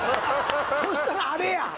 そしたらあれや！